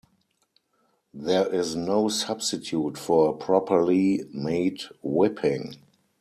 There is no substitute for a properly made whipping.